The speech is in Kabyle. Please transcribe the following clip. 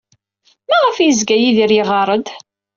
Maɣef ay yezga Yidir yeɣɣar-d?